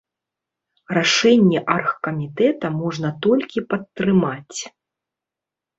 Рашэнне аргкамітэта можна толькі падтрымаць.